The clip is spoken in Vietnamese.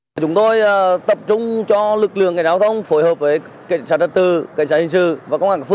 chúng tôi tập trung cho lực lượng cảnh sát giao thông phối hợp với cảnh sát trật tự cảnh sát hình sự và công an tp